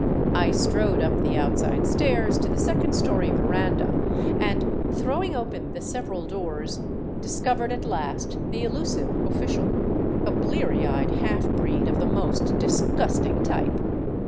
I strode up the outside stairs to the second story veranda and, throwing open the several doors, discovered at last the elusive official, a bleary eyed half breed of the most disgusting type.